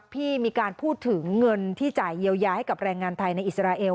มีการพูดถึงเงินที่จ่ายเยียวยาให้กับแรงงานไทยในอิสราเอล